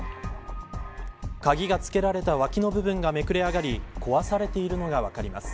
鍵がつけられた脇の部分がめくれ上がり壊されているのが分かります。